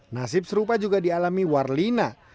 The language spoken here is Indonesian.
nasib serupa juga dialami warlina